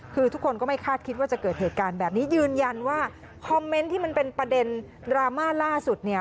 คือทุกคนก็ไม่คาดคิดว่าจะเกิดเหตุการณ์แบบนี้ยืนยันว่าคอมเมนต์ที่มันเป็นประเด็นดราม่าล่าสุดเนี่ย